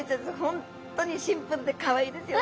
本当にシンプルでかわいいですよね。